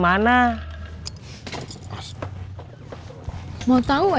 gimana mau diancam